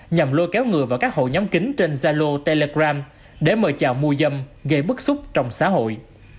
nhằm lôi kéo ngừa vào các hộ nhóm kính trên gia lô telegram để mời chào mô giâm gây bức xúc trong xã hội